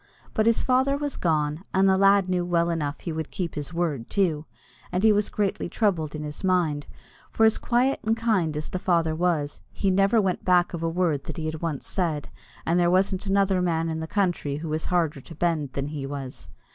But his father was gone, and the lad knew well enough that he would keep his word too; and he was greatly troubled in his mind, for as quiet and as kind as the father was, he never went back of a word that he had once said, and there wasn't another man in the country who was harder to bend than he was.